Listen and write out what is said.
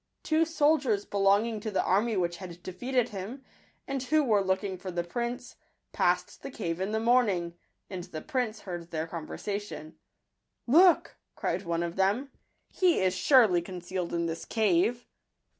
Two soldiers belonging to the army which had defeated him, and who were looking for the prince, passed the cave in the morning ; and the prince heard their conversation: —" Look!" cried one of them; " he is surely concealed in this cave."